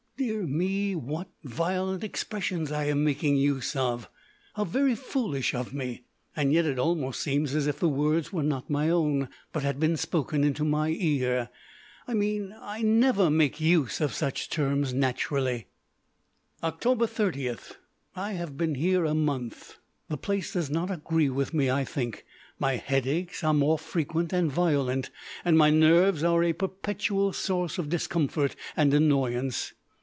Dear me! What violent expressions I am making use of! How very foolish of me! And yet it almost seems as if the words were not my own, but had been spoken into my ear I mean, I never make use of such terms naturally. Oct. 30. I have been here a month. The place does not agree with me, I think. My headaches are more frequent and violent, and my nerves are a perpetual source of discomfort and annoyance.